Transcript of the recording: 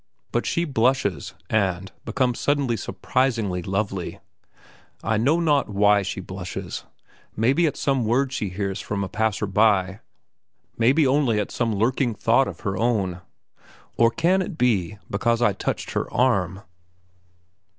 But she blushes, and, becomes suddenly surprisingly lovely. I know not why she blushes; maybe at some word she hears from a passer by, maybe only at some lurking thought of her own. Or can it be because I touched her arm?